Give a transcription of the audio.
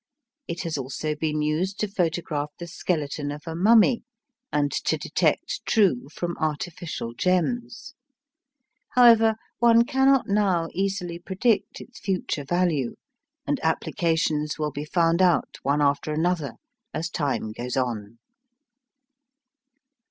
It has also been used to photograph the skeleton of a mummy, and to detect true from artificial gems. However, one cannot now easily predict its future value, and applications will be found out one after another as time goes on.